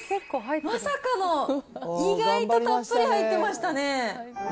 まさかの、意外とたっぷり入ってましたね。